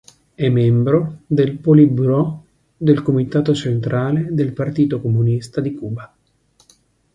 È membro del Politburo del Comitato Centrale del Partito Comunista di Cuba.